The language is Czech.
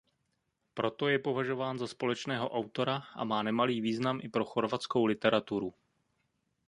Proto je považován za společného autora a má nemalý význam i pro chorvatskou literaturu.